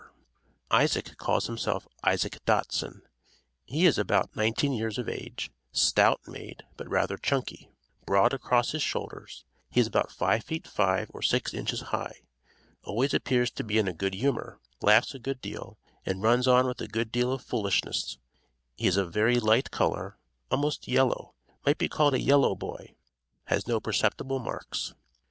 Isaac calls himself Isaac Dotson he is about nineteen years of age, stout made, but rather chunky; broad across his shoulders, he is about five feet five or six inches high, always appears to be in a good humor; laughs a good deal, and runs on with a good deal of foolishness; he is of very light color, almost yellow, might be called a yellow boy; has no perceptible marks.